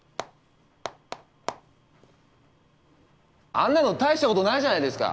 あんなの大したことないじゃないですか。